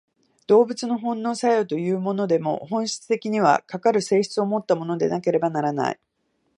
動物の本能作用というものでも、本質的には、かかる性質をもったものでなければならない。